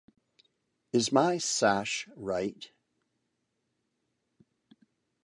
Is my sash right?